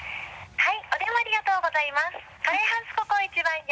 はい。